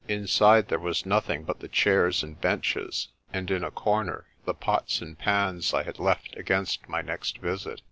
Inside there was nothing but the chairs and benches, and in a corner the pots and pans I had left against my next visit.